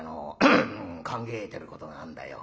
「考えてることがあんだよ」。